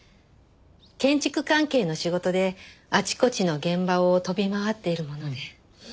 建築関係の仕事であちこちの現場を飛び回っているもので。